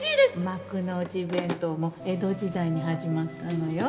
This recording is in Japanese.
幕の内弁当も江戸時代に始まったのよ。